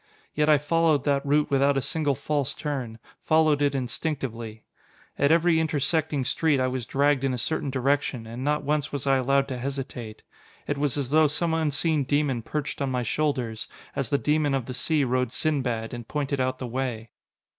Yet I followed that route without a single false turn, followed it instinctively. At every intersecting street I was dragged in a certain direction and not once was I allowed to hesitate. It was as though some unseen demon perched on my shoulders, as the demon of the sea rode Sinbad, and pointed out the way.